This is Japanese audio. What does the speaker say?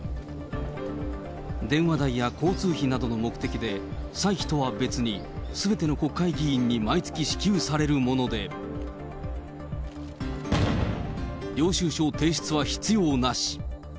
電話代や交通費などの目的で、歳費とは別に、すべての国会議員に毎月支給されるもので、領収書提出は必要なし。